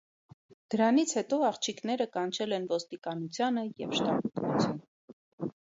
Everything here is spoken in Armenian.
Դրանից հետո աղջիկները կանչել են ոստիկանությանը և շտապ օգնություն։